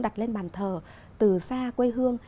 đặt lên bàn thờ từ xa quê hương